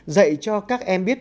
dạy cho các em biết